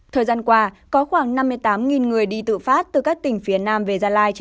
thời gian qua có khoảng năm mươi tám người đi tự phát từ các tỉnh phía nam về gia lai